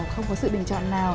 không có sự bình chọn nào